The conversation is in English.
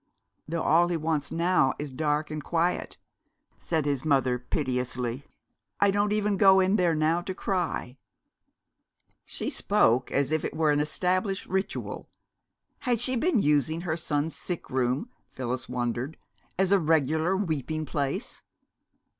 "Though all he wants now is dark and quiet," said his mother piteously. "I don't even go in there now to cry." She spoke as if it were an established ritual. Had she been using her son's sick room, Phyllis wondered, as a regular weeping place?